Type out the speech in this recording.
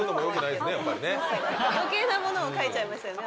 余計なものを描いちゃいましたよね。